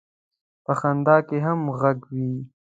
په خندا کې هم غږ وي.